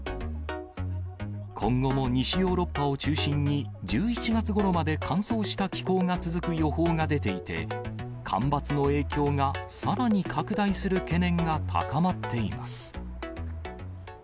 今後も西ヨーロッパを中心に、１１月ごろまで乾燥した気候が続く予報が出ていて、干ばつの影響がさらに拡大する懸念が高まっています。